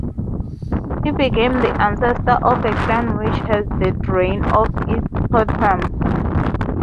He became the ancestor of a clan which has the rain for its totem.